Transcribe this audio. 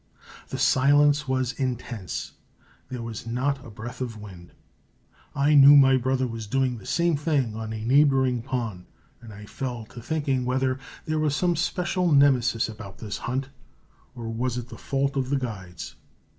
The silence was intense. There was not a breath of wind. I knew my brother was doing the same thing on a neighboring pond, and I fell to thinking whether there was some special Nemesis about this hunt, or it was the fault of the guides.